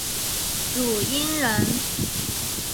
汝阴人。